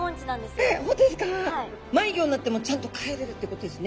迷子になってもちゃんと帰れるってことですね